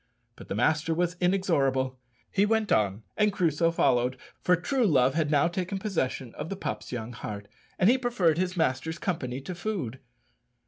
But the master was inexorable; he went on, and Crusoe followed, for true love had now taken possession of the pup's young heart, and he preferred his master's company to food.